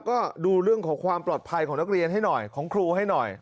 ก็ดูเรื่องของความปลอดภัยของนักเรียนให้หน่อยของครูให้หน่อย